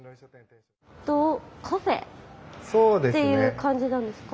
カフェっていう感じなんですか？